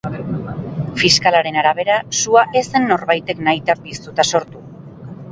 Fiskalaren arabera, sua ez zen norbaitek nahita piztuta sortu.